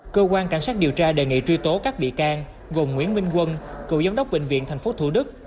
cơ quan cảnh sát điều tra đề nghị truy tố các bị can gồm nguyễn minh quân cựu giám đốc bệnh viện tp thủ đức